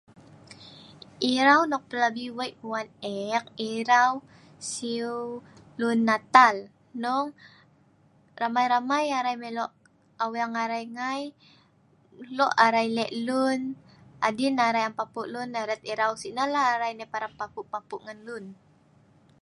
Irau nok pelabi wei' wan ek, irau siu leun natal. Hnong ramai-ramai arai mai lo' aweng arai ngai loh' arai leh' lun, adin arai am am papu' lun, irat irau sinah lah arai parap papu' papu' ngan lun.